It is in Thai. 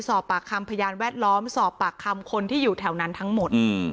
สอบปากคำพยานแวดล้อมสอบปากคำคนที่อยู่แถวนั้นทั้งหมด